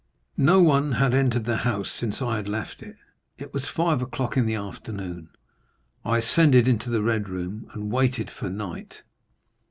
No one had entered the house since I had left it. "It was five o'clock in the afternoon; I ascended into the red room, and waited for night.